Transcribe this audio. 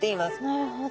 なるほど。